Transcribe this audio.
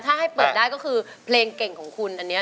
ถ้าให้เปิดได้ก็คือเพลงเก่งของคุณอันนี้